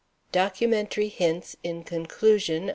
DOCUMENTARY HINTS, IN CONCLUSION.